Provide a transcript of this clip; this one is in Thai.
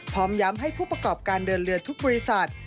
พร้อมย้ำให้ผู้ประกอบการเดินเรือทุกบริษัท